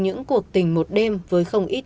những cuộc tình một đêm với không ít